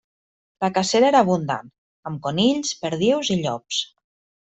La cacera era abundant, amb conills, perdius i llops.